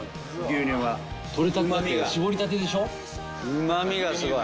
うまみがすごい！